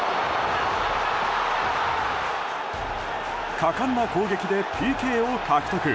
果敢な攻撃でＰＫを獲得。